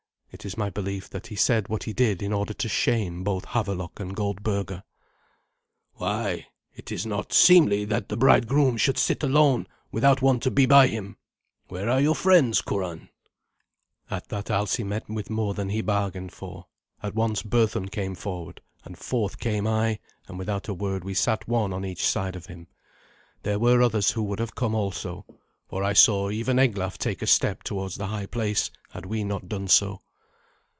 It is my belief that he said what he did in order to shame both Havelok and Goldberga. "Why, it is not seemly that the bridegroom should sit alone without one to be by him. Where are your friends, Curan?" At that Alsi met with more than he bargained for. At once Berthun came forward, and forth came I, and without a word we sat one on each side of him. There were others who would have come also, for I saw even Eglaf take a step towards the high place, had we not done so.